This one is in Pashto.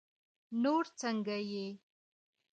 نور څنګه يې؟